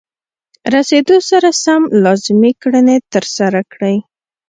رسیدو سره سم لازمې کړنې ترسره کړئ.